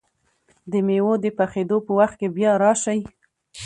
د مېوو د پخېدو په وخت کې بیا راشئ!